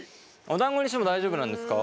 おだんごにしても大丈夫なんですか？